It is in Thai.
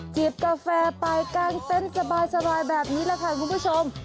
กาแฟไปกางเต็นต์สบายแบบนี้แหละค่ะคุณผู้ชม